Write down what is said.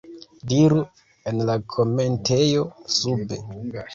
Diru en la komentejo sube.